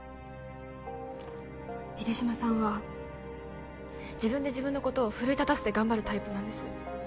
秀島さんは自分で自分のことを奮い立たせて頑張るタイプなんです